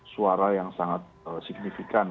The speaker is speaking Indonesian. suara yang sangat signifikan